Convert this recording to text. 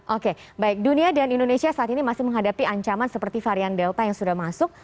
oke baik dunia dan indonesia saat ini masih menghadapi ancaman seperti varian delta yang sudah masuk